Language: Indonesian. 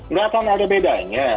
nggak akan ada bedanya